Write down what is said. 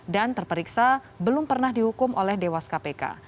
dan terperiksa belum pernah dihukum oleh dewas kpk